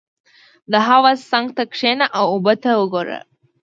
• د حوض څنګ ته کښېنه او اوبه ته وګوره.